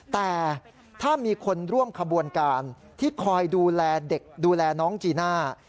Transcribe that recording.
แต่ถ้ามีคนร่วมขบวนการที่คอยดูแลเด็กดูแลน้องจีน่า